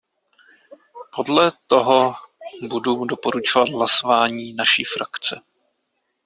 Podle toho budu doporučovat hlasování naší frakce.